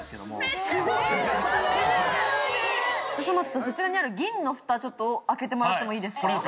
そちらにある銀の蓋開けてもらってもいいですか。